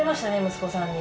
息子さんに。